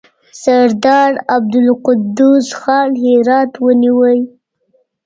سردار عبدالقدوس خان هرات ونیوی.